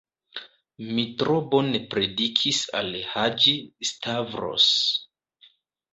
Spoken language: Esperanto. Mi tro bone predikis al Haĝi-Stavros.